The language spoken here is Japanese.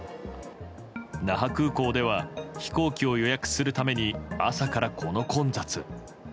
那覇空港では飛行機を予約するために朝から、この混雑。